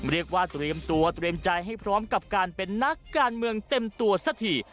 เรียกว่าเตรียมตัวเตรียมใจให้พร้อมกับการเป็นนักการเมืองเต็มตัวสักที